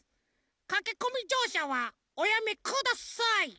かけこみじょうしゃはおやめください」。